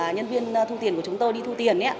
nhân viên thu tiền của chúng tôi đi thu tiền